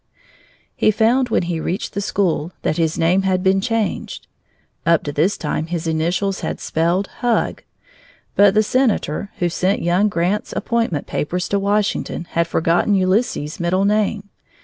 He found, when he reached the school, that his name had been changed. Up to this time his initials had spelled HUG, but the senator who sent young Grant's appointment papers to Washington had forgotten Ulysses' middle name.